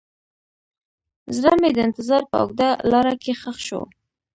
زړه مې د انتظار په اوږده لاره کې ښخ شو.